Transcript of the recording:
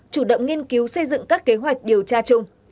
chủ động nghiên cứu xây dựng các kế hoạch điều tra chung